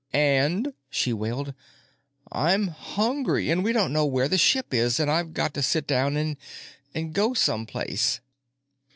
"And," she wailed, "I'm hungry and we don't know where the ship is and I've got to sit down and—and go someplace."